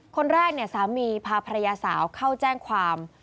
คนแรกสามีพาพระยาสาวเข้าแจ้งความ